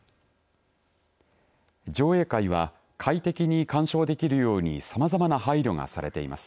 上映会は快適に鑑賞できるようにさまざまな配慮がされています。